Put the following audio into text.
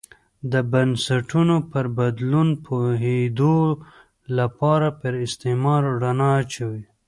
د بنسټونو پر بدلون پوهېدو لپاره پر استعمار رڼا اچوو.